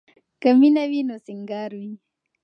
که مینه وي نو سینګار وي.